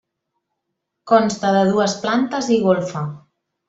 Consta de dues plantes i golfa.